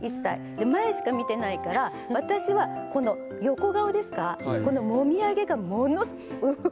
で前しか見てないから私はこの横顔ですかこのもみあげがものすウフフ。